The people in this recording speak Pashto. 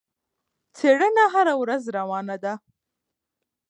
څېړنه هره ورځ روانه ده.